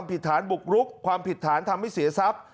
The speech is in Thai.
ปิดฐานปลุกลุกต่างไม่เสียทรัพย์